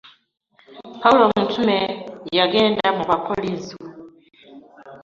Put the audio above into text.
Pawulo omutume yage da mu bakolinso .